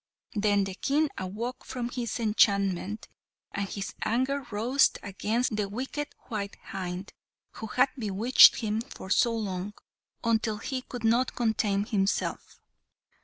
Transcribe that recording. Then the King awoke from his enchantment, and his anger rose against the wicked white hind who had bewitched him so long, until he could not contain himself.